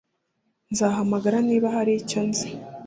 Nzahamagara niba hari icyo nize